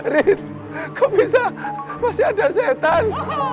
rid kok bisa masih ada setan